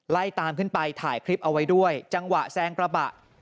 ไล่ตามขึ้นไปถ่ายคลิปเอาไว้ด้วยจังหวะแซงกระบะ